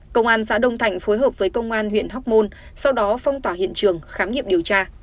công an xã đông thạnh phối hợp với công an huyện hóc môn sau đó phong tỏa hiện trường khám nghiệm điều tra